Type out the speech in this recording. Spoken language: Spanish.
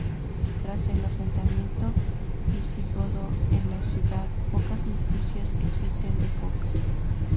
Tras el asentamiento visigodo en la ciudad, pocas noticias existen de Coca.